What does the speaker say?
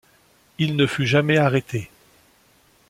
Il ne fut jamais arrêté.